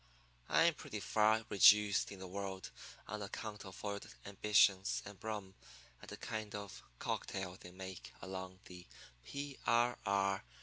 I'm pretty far reduced in the world on account of foiled ambitions and rum and a kind of cocktail they make along the P. R. R.